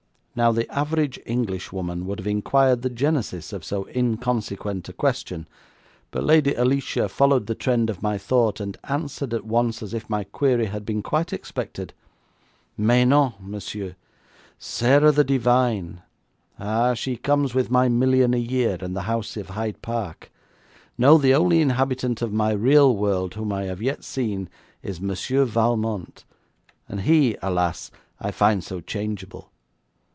Now the average English woman would have inquired the genesis of so inconsequent a question, but Lady Alicia followed the trend of my thought, and answered at once as if my query had been quite expected: 'Mais non, monsieur. Sarah the Divine! Ah, she comes with my million a year and the house of Hyde Park. No, the only inhabitant of my real world whom I have yet seen is Monsieur Valmont, and he, alas! I find so changeable.